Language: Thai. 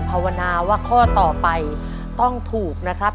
ภาวนาว่าข้อต่อไปต้องถูกนะครับ